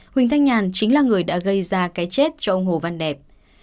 quỳnh thánh nhan chính là người đã gây ra cái chết cho ông hồ văn đẹp